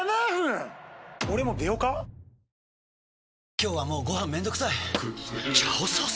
今日はもうご飯めんどくさい「炒ソース」！？